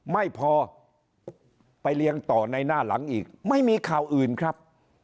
ไม่พอไปเรียงต่อในหน้าหลังอีกไม่มีข่าวอื่นครับ